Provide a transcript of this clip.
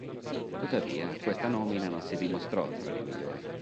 Tuttavia, questa nomina non si dimostrò fra le migliori.